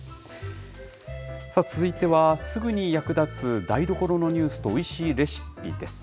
続いては、すぐに役立つ台所のニュースとおいしいレシピです。